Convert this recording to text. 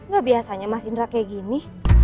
gak biasanya mas indra kayak gini